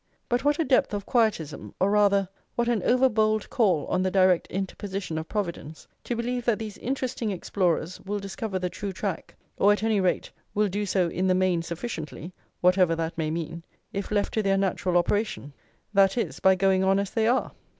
But what a depth of Quietism, or rather, what an over bold call on the direct interposition of Providence, to believe that these interesting explorers will discover the true track, or at any rate, "will do so in the main sufficiently" (whatever that may mean) if left to their natural operation; that is, by going on as they are!